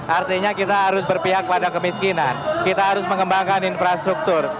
artinya kita harus berpihak pada kemiskinan kita harus mengembangkan infrastruktur